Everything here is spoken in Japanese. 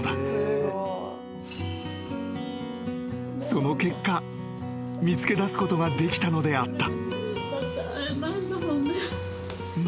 ［その結果見つけだすことができたのであった］